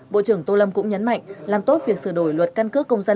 bộ trưởng tô lâm cũng nhấn mạnh làm tốt việc sửa đổi luật căn cước công dân